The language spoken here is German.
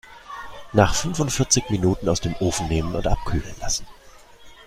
Nach fünfundvierzig Minuten aus dem Ofen nehmen und abkühlen lassen.